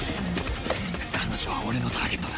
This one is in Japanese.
彼女は俺のターゲットだ。